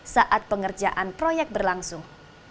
saat pengerjaan proyek berlangsung